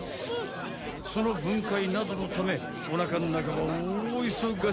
そのぶんかいなどのためおなかのなかはおおいそがし！